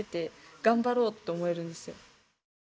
頑張ろうって思えるんですよ。